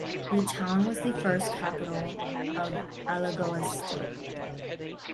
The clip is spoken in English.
The town was the first capital of Alagoas state.